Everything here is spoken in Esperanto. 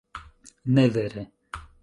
Ne vere...